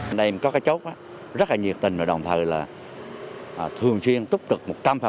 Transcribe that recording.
anh em có cái chốc rất là nhiệt tình và đồng thời là thường chiên túc cực một trăm linh